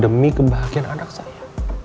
demi kebahagiaan anak saya